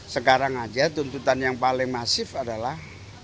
sekarang aja tuntutan yang paling masif adalah